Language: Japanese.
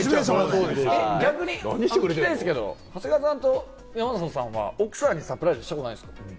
逆に山里さんたちは奥さんにサプライズしたことないんですか？